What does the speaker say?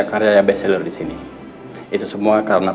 ada penulis terkenal